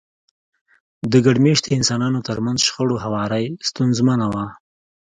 د ګډ مېشته انسانانو ترمنځ شخړو هواری ستونزمنه وه.